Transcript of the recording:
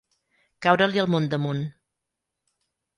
Caure-li el món damunt.